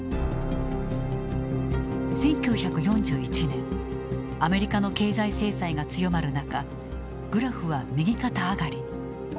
１９４１年アメリカの経済制裁が強まる中グラフは右肩上がりに。